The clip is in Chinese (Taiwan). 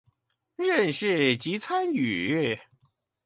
認識及參與